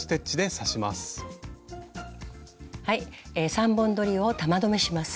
３本どりを玉留めします。